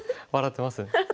笑ってますね。